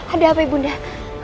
ada apa ibu mbak